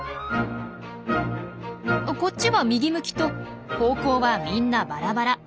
こっちは右向きと方向はみんなバラバラ。